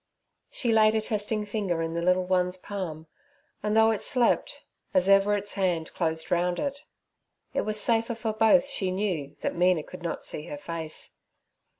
She laid a testing finger in the little one's palm, and though it slept, as ever its hand closed round it. It was safer for both, she knew, that Mina could not see her face.